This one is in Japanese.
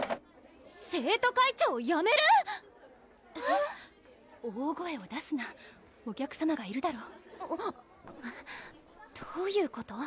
生徒会長をやめるぅ⁉大声を出すなお客さまがいるだろどういうこと？